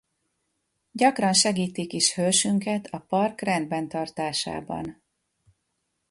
Gyakran segítik is hősünket a park rendben tartásában.